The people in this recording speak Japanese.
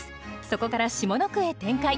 そこから下の句へ展開。